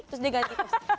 terus dia ganti